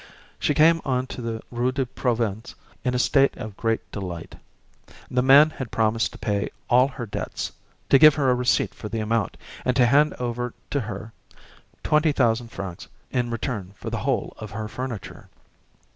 She came on to the Rue de Provence in a state of great delight. The man had promised to pay all her debts, to give her a receipt for the amount, and to hand over to her twenty thousand francs, in return for the whole of her furniture.